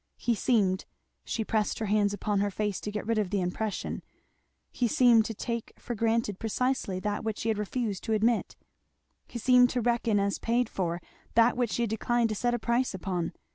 He seemed she pressed her hands upon her face to get rid of the impression he seemed to take for granted precisely that which she had refused to admit; he seemed to reckon as paid for that which she had declined to set a price upon.